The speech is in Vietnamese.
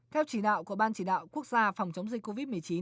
theo chỉ đạo của ban chỉ đạo quốc gia phòng chống dịch covid một mươi chín